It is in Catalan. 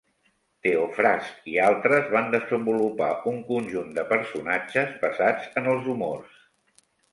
Teofrast i altres van desenvolupar un conjunt de personatges basats en els humors.